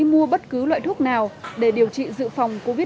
mua bất cứ loại thuốc nào để điều trị dự phòng covid một mươi chín